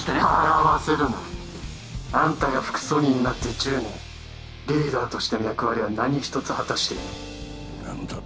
笑わせるなあんたが副総理になって１０年リーダーとしての役割は何一つ果たしていない何だと！？